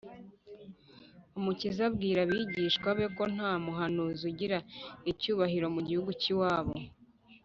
Umukiza abwira abigishwa be ko nta muhanuzi ugira icyubahiro mu gihugu cy’iwabo